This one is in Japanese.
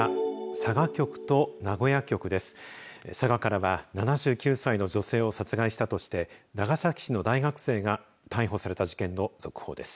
佐賀からは７９歳の女性を殺害したとして長崎市の大学生が逮捕された事件の続報です。